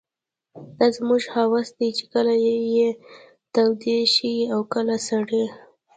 دا زموږ حواس دي چې کله يې تودې ښيي او کله سړې.